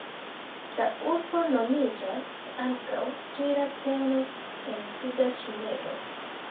La urbo nomiĝas ankaŭ "Brila Perlo en Suda Ĉinio".